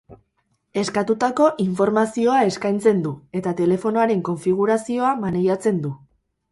Eskatutako informazioa eskaintzen du eta telefonoaren konfigurazioa maneiatzen du.